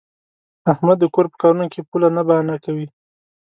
احمد د کور په کارونو کې پوله نه بانه کوي.